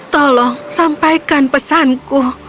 tolong sampaikan pesanku